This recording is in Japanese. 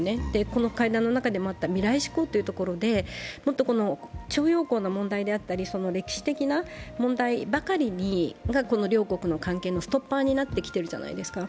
この会談の中でもあった未来志向というところでもっと徴用工の問題であったり歴史的な問題ばかりが両国の関係のストッパーになってきているじゃないですか。